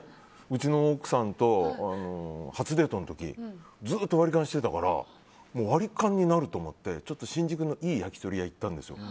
うちの奥さんと初デートの時ずっと割り勘にしてたから割り勘になると思って新宿のいい焼き鳥屋行ったんですよ。